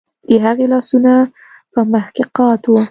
د هغې لاسونه په مخ کې قات وو